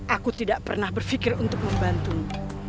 aku tidak pernah berpikir untuk membantumu